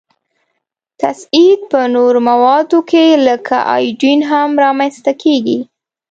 تصعید په نورو موادو کې لکه ایودین هم را منځ ته کیږي.